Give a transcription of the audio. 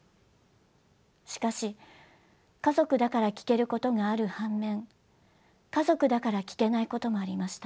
しかし家族だから聞けることがある反面家族だから聞けないこともありました。